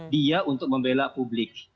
dia untuk membela publik